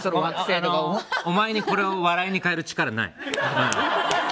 お前にこれを笑いに変える力はない。